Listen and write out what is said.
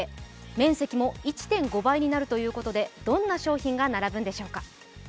面積も１．５倍になるということでどんな商品が並ぶんでしょうか？